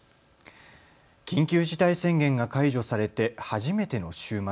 緊急事態宣言が解除されて初めての週末。